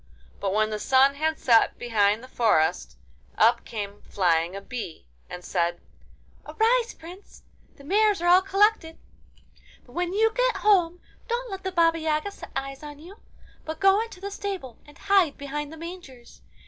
But when the sun had set behind the forest, up came flying a bee, and said: 'Arise, Prince! The mares are all collected. But when you get home, don't let the Baba Yaga set eyes on you, but go into the stable and hide behind the mangers.